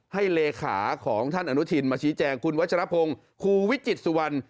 เลขาของท่านอนุทินมาชี้แจงคุณวัชรพงศ์ครูวิจิตสุวรรณ